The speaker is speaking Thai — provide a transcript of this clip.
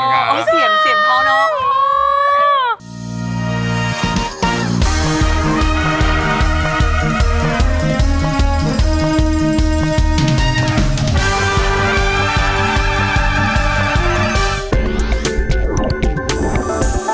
ขอบคุณค่ะขอบคุณค่ะ